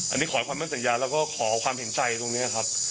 อันนี้ขอให้ความมั่นสัญญาแล้วก็ขอความเห็นใจตรงนี้ครับ